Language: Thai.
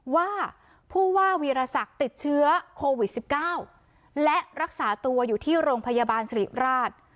ว่าผู้ว่าวีรศักดิ์ติดเชื้อโควิด๑๙และรักษาตัวอยู่ที่โรงพยาบาลสิริราช